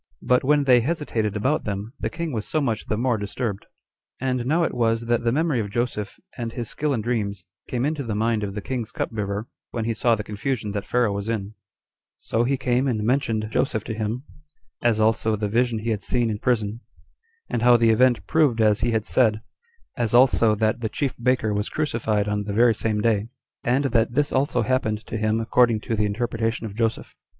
But when they hesitated about them, the king was so much the more disturbed. And now it was that the memory of Joseph, and his skill in dreams, came into the mind of the king's cupbearer, when he saw the confusion that Pharaoh was in; so he came and mentioned Joseph to him, as also the vision he had seen in prison, and how the event proved as he had said; as also that the chief baker was crucified on the very same day; and that this also happened to him according to the interpretation of Joseph.